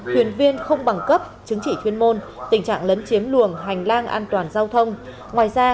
thuyền viên không bằng cấp chứng chỉ chuyên môn tình trạng lấn chiếm luồng hành lang an toàn giao thông ngoài ra